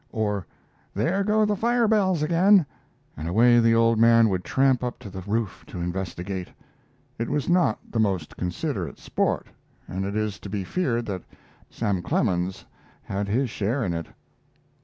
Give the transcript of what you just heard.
or "There go the fire bells again!" and away the old man would tramp up to the roof to investigate. It was not the most considerate sport, and it is to be feared that Sam Clemens had his share in it.